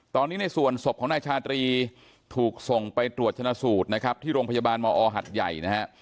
ตอนนี้ในส่วนศพของนายชาตรีถูกส่งไปตรวจชนะสูตรนะครับที่โรงพยาบาลมอหัดใหญ่นะฮะ